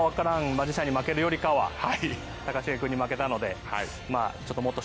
マジシャンに負けるよりかは高重君に負けたので。